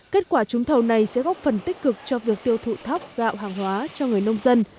kết quả trúng thầu này sẽ góp phần tích cực cho việc tiêu thụ thóc gạo hàng hóa cho người nông dân